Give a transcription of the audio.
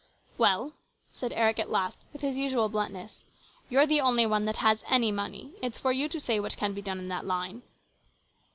" Well," said Eric at last, with his usual bluntness, " you're the only one that has any money. It's for you to say what can be done in that line."